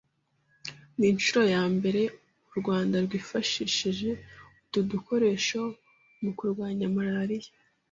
Ni inshuro ya mbere u Rwanda rwifashishije utu dukoresho mu kurwanya malaria